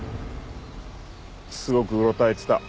すごくうろたえてた。